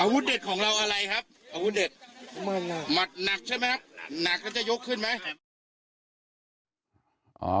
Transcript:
หนักเขาจะยกขึ้นไหม